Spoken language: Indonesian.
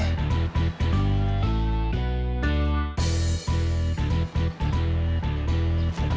neng itu p rica